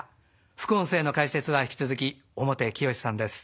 副音声の解説は引き続き表きよしさんです。